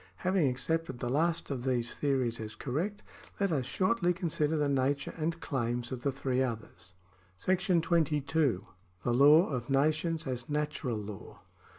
Having accepted the last of these theories as correct, let us shortly consider the nature and claims of the three others. § 22. The Law of Nations as Natural Law.